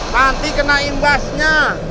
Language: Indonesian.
nanti kena imbasnya